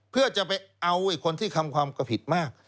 เพื่อจะไปเอาคนที่ทำความกระผิดมาก